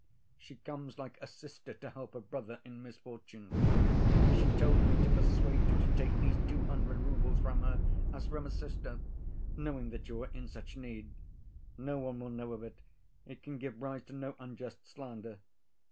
She comes like a sister to help a brother in misfortune.... She told me to persuade you to take these two hundred roubles from her, as from a sister, knowing that you are in such need. No one will know of it, it can give rise to no unjust slander.